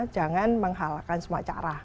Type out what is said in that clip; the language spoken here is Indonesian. jangan menghalakan semua cara